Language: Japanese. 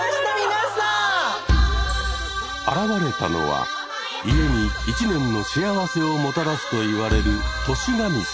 現れたのは家に１年の幸せをもたらすといわれる「年神様」。